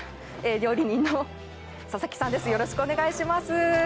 料理人は佐々木さんです、よろしくお願いします。